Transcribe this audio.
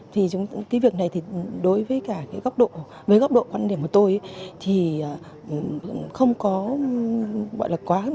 cái việc này đối với góc độ quan điểm của tôi thì không có quá